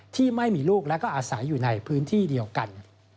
ที่ไม่มีลูกและก็อาศัยอยู่ในพื้นที่เดียวกัน